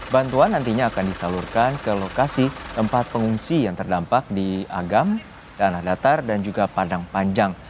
bantuan nantinya akan disalurkan ke lokasi tempat pengungsi yang terdampak di agam tanah datar dan juga padang panjang